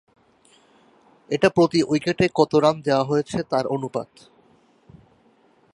এটা প্রতি উইকেটে কত রান দেওয়া হয়েছে তার অনুপাত।